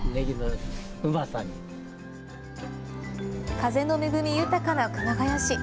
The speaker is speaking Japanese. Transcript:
風の恵み豊かな熊谷市。